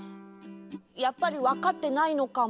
やっぱりわかってないのかも。